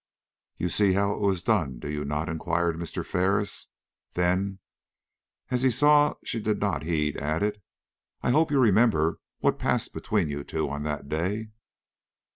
"You see how it was done, do you not?" inquired Mr. Ferris. Then, as he saw she did not heed, added: "I hope you remember what passed between you two on that day?"